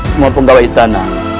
semua penggawa istana